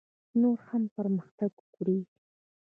نور هم پرمختګ وکړي.